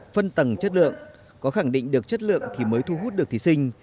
phân tầng chất lượng có khẳng định được chất lượng thì mới thu hút được thí sinh